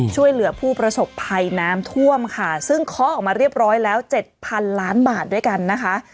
ช่วยเหลือผู้ประสบภัยน้ำท่วมค่ะซึ่งเคาะออกมาเรียบร้อยแล้วเจ็ดพันล้านบาทด้วยกันนะคะ